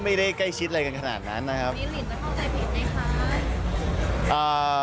มีหลีดจะเข้าใจผิดไงคะ